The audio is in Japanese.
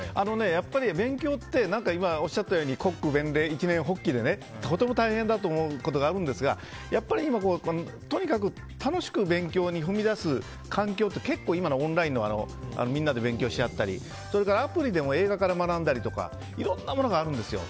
やっぱり勉強って今おっしゃったように国庫勉励一念発起でとても大変だと思うこともあるんですがやっぱりとにかく楽しく勉強に踏み出す環境って今のオンラインで勉強し合ったりそれから、アプリでも映画から学んだりとかいろんなものがあるんですよ。